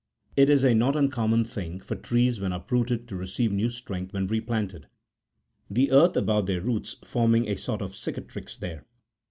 It is a not uncommon thing for trees when uprooted to re ceive new strength when replanted, the earth about their roots forming a sort of cicatrix67 there.